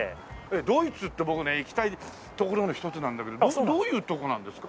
ドイツって僕ね行きたい所の一つなんだけどどういうとこなんですか？